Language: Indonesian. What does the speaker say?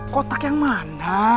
kotak yang mana